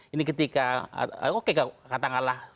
ini ketika oke katakanlah